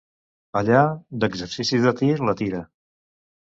Allà, d'exercicis de tir, la tira.